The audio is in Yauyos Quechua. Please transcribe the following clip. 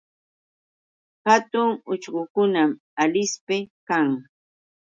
Hatun uchkukunam Alispi kan.